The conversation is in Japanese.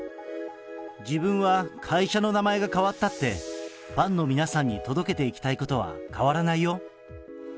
自分は会社の名前が変わったって、ファンの皆さんに届けていきたいことは変わらないよ！